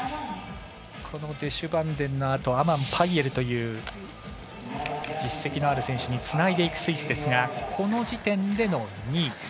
このデシュバンデンのあとアマン、パイエルという実績のある選手につないでいくスイスですが、この時点での２位。